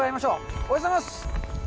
おはようございます。